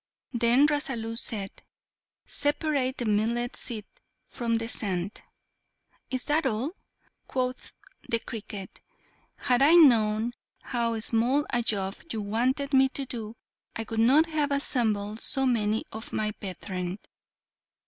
Then Rasalu said, "Separate the millet seed from the sand." "Is that all?" quoth the cricket; "had I known how small a job you wanted me to do, I would not have assembled so many of my brethren."